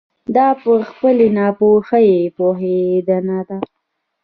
دا په خپلې ناپوهي پوهېدنه ده.